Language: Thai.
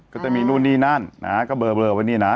ก็จะมีนู่นนี่นั่นก็เบลอในนี่นะ